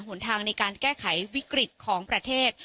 หนทางในการแก้ไขวิกฤตของประเทศ